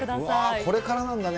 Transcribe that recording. これからなんだね。